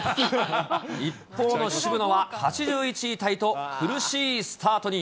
一方の渋野は、８１位タイと、苦しいスタートに。